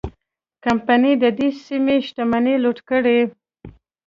کمپنۍ د دې سیمې شتمنۍ لوټ کړې.